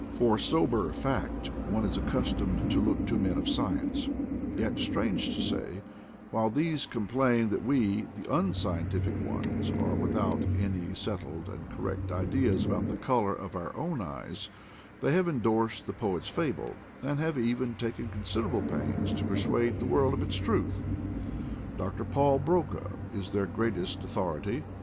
For sober fact one is accustomed to look to men of science; yet, strange to say, while these complain that we — the unscientific ones — are without any settled and cor rect ideas about the color of our own eyes, they have endorsed the poet's fable, and have even taken considerable pains to persuade the world of its truth. Dr. Paul Broca is their greatest au thority.